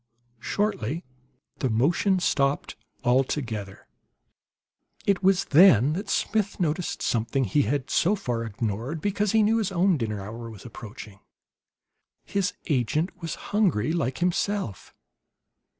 Shortly the motion stopped altogether. It was then that Smith noticed something he had so far ignored because he knew his own dinner hour was approaching. His agent was hungry, like himself.